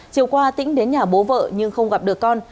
chiều qua tỉnh đến nhà bố vợ nhưng không gặp được con